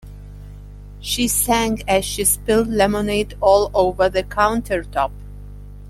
She sang as she spilled lemonade all over the countertop.